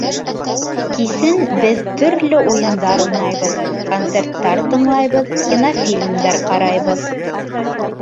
Кисен беҙ төрлө уйындар уйнайбыҙ, концерттар тыңлайбыҙ, кинофильмдар ҡарайбыҙ.